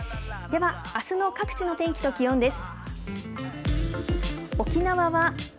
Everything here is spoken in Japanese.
ではあすの各地の天気と気温です。